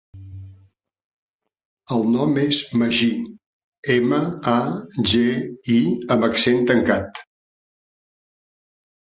El nom és Magí: ema, a, ge, i amb accent tancat.